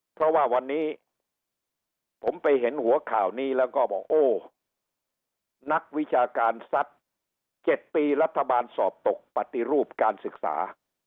เพราะว่าวันนี้ผมไปเห็นหัวข่าวนี้แล้วก็บอกโอ้นักวิชาการทรัพย์๗ปีรัฐบาลสอบตกปฏิรูปการศึกษา